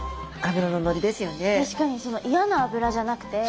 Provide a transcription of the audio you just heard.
確かにその嫌な脂じゃなくて。